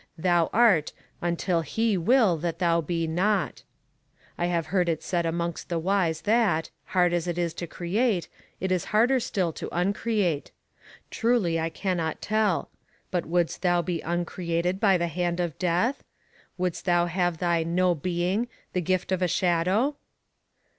Thou art until he will that thou be not. I have heard it said amongst the wise that, hard as it is to create, it is harder still to uncreate. Truly I cannot tell. But wouldst thou be uncreated by the hand of Death? Wouldst thou have thy no being the gift of a shadow?